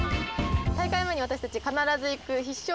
大会前に私たち必ず行く。